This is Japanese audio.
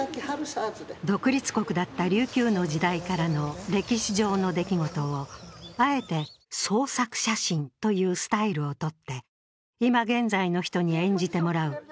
独立国だった琉球の時代からの歴史上の出来事をあえて創作写真というスタイルをとって今現在の人に演じてもらう。